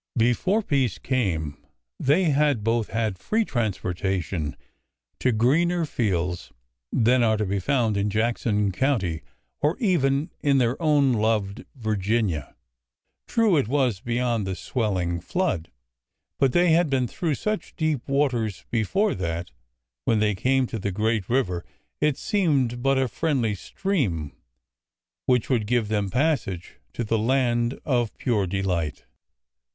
Before peace came they had both had free transportation to greener fields than are to be found in Jackson County or even in their own loved Virginia. True, it was ''beyond the swelling flood,'' but they had been through such deep waters before that when they came to the great river it seemed but a friendly stream which would give them pas sage to the " land of pure delight."